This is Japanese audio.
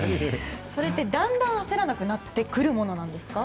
それって、だんだん焦らなくなってくるものですか？